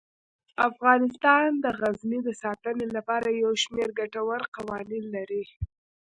افغانستان د غزني د ساتنې لپاره یو شمیر ګټور قوانین لري.